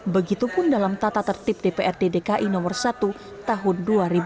begitu pun dalam tata tertib dprd dki nomor satu tahun dua ribu empat belas